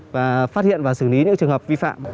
và phát hiện và xử lý những trường hợp vi phạm